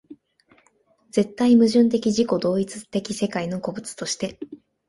絶対矛盾的自己同一的世界の個物として